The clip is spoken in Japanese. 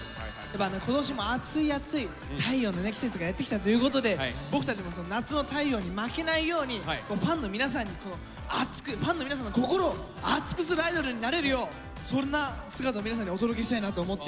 やっぱ今年も暑い暑い太陽の季節がやってきたということで僕たちも夏の太陽に負けないようにファンの皆さんに熱くファンの皆さんの心を熱くするアイドルになれるようそんな姿を皆さんにお届けしたいなと思って。